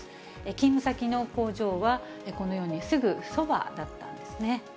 勤務先の工場は、このように、すぐそばだったんですね。